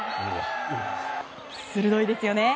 鋭いですよね。